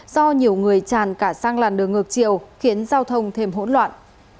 do nhiều người tràn cả sang làn đường ngược chiều khiến giao thông thêm hỗn loạn